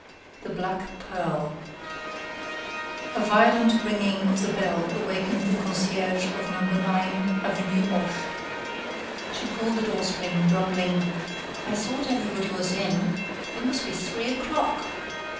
The Black Pearl A violent ringing of the bell awakened the concierge of number nine, avenue Hoche. She pulled the doorstring, grumbling: "I thought everybody was in. It must be three o'clock!"